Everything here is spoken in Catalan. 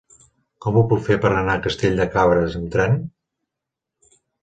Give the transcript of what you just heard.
Com ho puc fer per anar a Castell de Cabres amb tren?